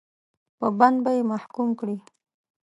په بند به یې محکوم کړي.